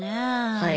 はい。